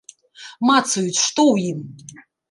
Мацаюць, што ў ім.